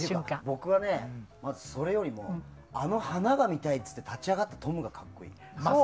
僕はね、それよりもあの花が見たいって言って立ち上がったトムが格好いい。